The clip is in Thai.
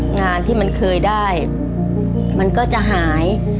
งานที่มันเคยได้มันก็จะหาย